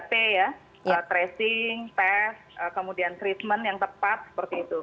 tracing test kemudian treatment yang tepat seperti itu